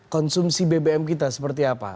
konsumsi bbm kita seperti apa